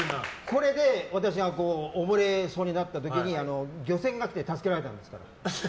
これで私が溺れそうになった時に漁船が来て助けられたんですよ。